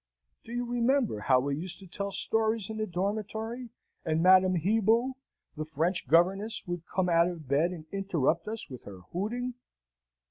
Do you remember how we used to tell stories in the dormitory, and Madame Hibou, the French governess, would come out of bed and interrupt us with her hooting?